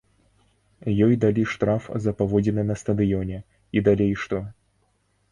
Ёй далі штраф за паводзіны на стадыёне, і далей што?